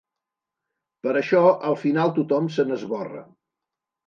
Per això al final tothom se n'esborra.